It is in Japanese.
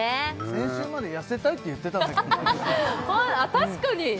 先週まで「痩せたい」って言ってたんだけどああ確かに！